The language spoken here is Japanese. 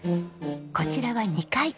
こちらは２階。